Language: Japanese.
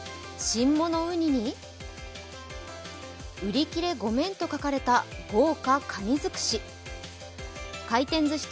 新物ウニに、売り切れ御免と書かれた豪華かにづくし。